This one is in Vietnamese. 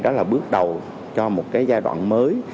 đó là bước đầu cho một cái giai đoạn mới